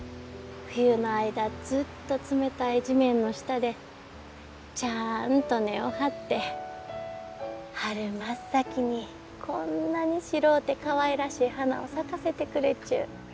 冬の間ずっと冷たい地面の下でちゃあんと根を張って春真っ先にこんなに白うてかわいらしい花を咲かせてくれちゅう。